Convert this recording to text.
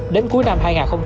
đến cuối năm hai nghìn hai mươi